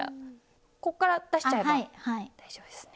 こっから出しちゃえば大丈夫ですね？